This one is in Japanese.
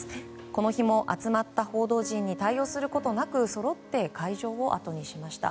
この日も、集まった報道陣に対応することなくそろって会場をあとにしました。